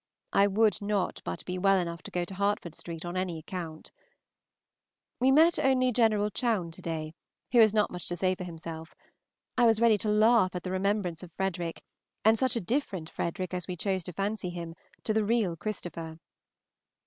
I would not but be well enough to go to Hertford St. on any account. We met only Genl. Chowne to day, who has not much to say for himself. I was ready to laugh at the remembrance of Frederick, and such a different Frederick as we chose to fancy him to the real Christopher!